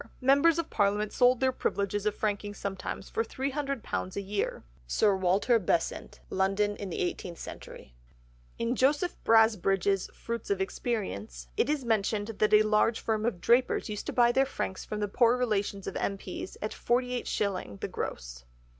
"Members of Parliament sold their privileges of franking sometimes for £300 a year." (Sir Walter Besant, London in the Eighteenth Century.) In Joseph Brasbridge's Fruits of Experience, it is mentioned that a large firm of drapers used to buy their franks from the poor relations of M.P.'s at forty eight shilling the gross.